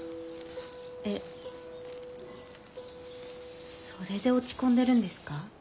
えっそれで落ち込んでるんですか？